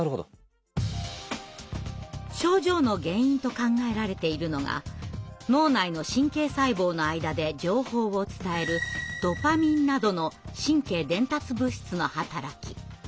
症状の原因と考えられているのが脳内の神経細胞の間で情報を伝えるドパミンなどの神経伝達物質の働き。